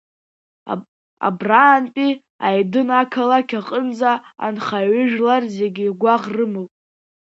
Абраантәи Аидын ақалақь аҟынӡа анхаҩыжәлар зегь игәаӷ рымоуп.